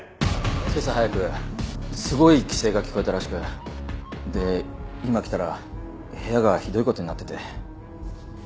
けさ早くすごい奇声が聞こえたらしくで今来たら部屋がひどいことになってて。